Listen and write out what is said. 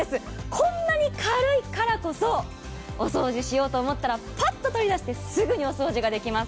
こんなに軽いからこそお掃除しようと思ったら、パッと取り出してすぐにお掃除ができます。